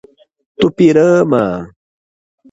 Tupirama